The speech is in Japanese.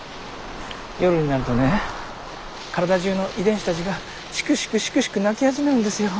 夜になるとね体じゅうの遺伝子たちがしくしくしくしく泣き始めるんですよ。